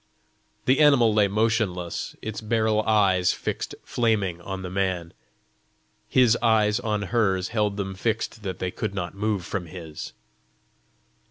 The animal lay motionless, its beryl eyes fixed flaming on the man: his eyes on hers held them fixed that they could not move from his.